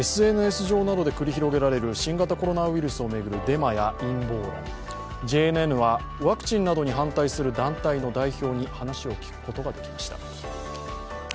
ＳＮＳ上などで繰り広げられる新型コロナウイルスを巡るデマや陰謀論、ＪＮＮはワクチンなどに反対する団体の代表に話を聞くことができました。